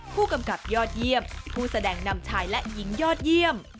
ผู้กำกับยอดเยี่ยมผู้แสดงนำชายและหญิงยอดเยี่ยม